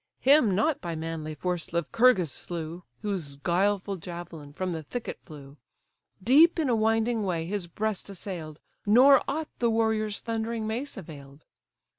Him not by manly force Lycurgus slew, Whose guileful javelin from the thicket flew, Deep in a winding way his breast assailed, Nor aught the warrior's thundering mace avail'd.